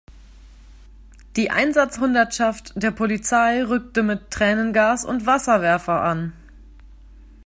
Die Einsatzhundertschaft der Polizei rückte mit Tränengas und Wasserwerfer an.